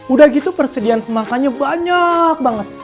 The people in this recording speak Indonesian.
udah gitu persediaan semakannya banyak banget